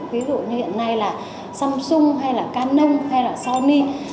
ví dụ như hiện nay là samsung canon sony